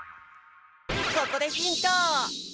ここでヒント！